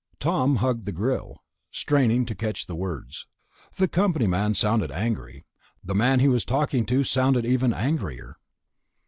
Tom hugged the grill, straining to catch the words. The company man sounded angry; the man he was talking to sounded even angrier.